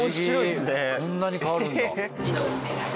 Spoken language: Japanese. こんなに変わるんだ。